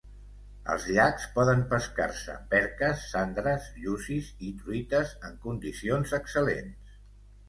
Als llacs poden pescar-se perques, sandres, llucis i truites en condicions excel·lents.